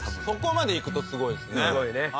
そこまでいくとすごいですね。